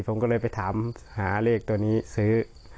ผมก็เลยไปถามหาเลขตัวนี้ซื้อ